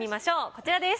こちらです。